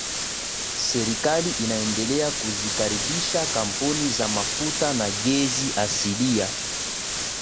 Serikali inaendelea kuzikaribisha Kampuni za mafuta na gesi asilia